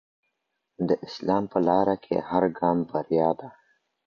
د اسلام په لاره کي هر ګام بریا ده.